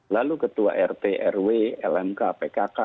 lalu ketua rt rw lmk pkk